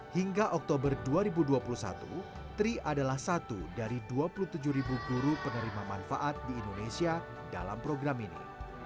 hingga oktober dua ribu dua puluh satu tri adalah satu dari dua puluh tujuh ribu guru penerima manfaat di indonesia dalam program ini